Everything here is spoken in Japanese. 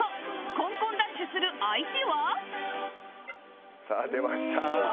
コンコンダッシュする相手は？さあ出ました。